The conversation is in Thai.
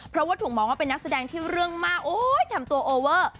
เพราะว่าถูกมองว่าเป็นนักแสดงที่เรื่องมากโอ้ยทำตัวโอเวอร์